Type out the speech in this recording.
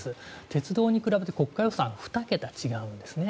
鉄道に比べて国家予算２桁違うんですね。